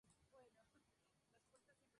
Aquí molestas, vete con la música a otra parte